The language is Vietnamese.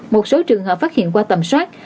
một số trường hợp phát hiện qua tầm soát